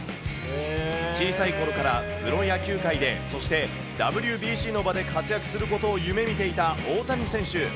小さいころからプロ野球界で、そしてＷＢＣの場で活躍することを夢みていた大谷選手。